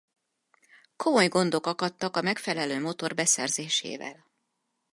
Komoly gondok akadtak a megfelelő motor beszerzésével.